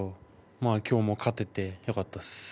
きょうも勝ててよかったです。